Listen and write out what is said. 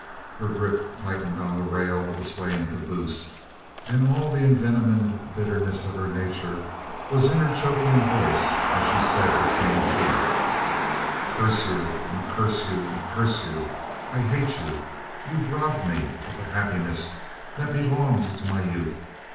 Her grip tightened on the rail of the swaying caboose and all the envenomed bitterness of her nature was in her choking voice as she said between her teeth: "Curse you and curse you and curse you! I hate you! You've robbed me of the happiness that belonged to my youth.